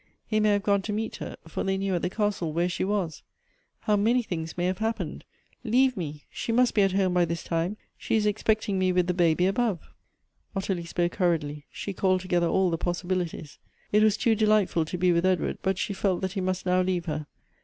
He may have gone to meet her ; for they knew at the castle where she was. How many things may have happened ! Leave me ! she must be at home by this time ; she is expecting me with the baby above." Ottilie spoke hurriedly; she called together all the possibilities. It was" too delightful to be with Edward ; but she felt that he must now leave her.